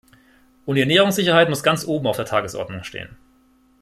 Und die Ernährungssicherheit muss ganz oben auf der Tagesordnung stehen.